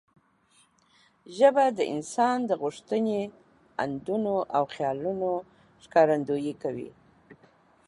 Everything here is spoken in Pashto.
ژبه د انسان د غوښتنې، اندونه او خیالونو ښکارندويي کوي.